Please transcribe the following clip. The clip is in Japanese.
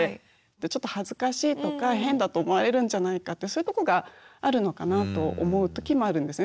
ちょっと恥ずかしいとか変だと思われるんじゃないかってそういうとこがあるのかなと思う時もあるんですね。